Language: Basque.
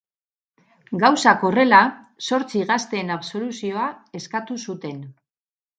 Gauzak horrela, zortzi gazteen absoluzioa eskatu zuten.